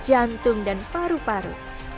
jantung dan paru paru